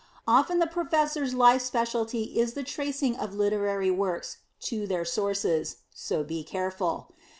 Often the Professor's life specialty is the tracing of literary works to their sources; so be careful.